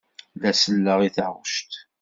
La selleɣ i taɣect.